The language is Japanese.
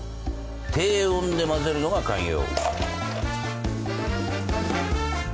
低温でまぜるのが肝要。